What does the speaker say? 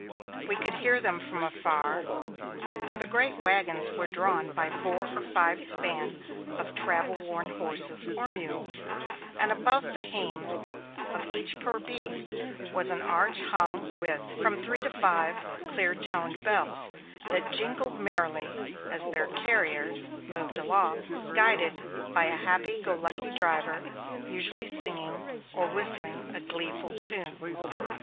We could hear them from afar, for the great wagons were drawn by four or five span of travel worn horses or mules, and above the hames of each poor beast was an arch hung with from three to five clear toned bells, that jingled merrily as their carriers moved along, guided by a happy go lucky driver, usually singing or whistling a gleeful tune.